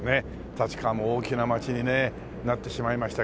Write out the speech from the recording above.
立川も大きな街にねなってしまいましたけど